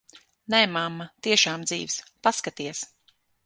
Nē, mamma, tiešām dzīvs. Paskaties.